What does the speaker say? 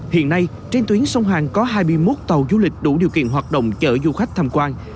hiện nay trên tuyến sông hàng có hai mươi một tàu du lịch đủ điều kiện hoạt động chở du khách tham quan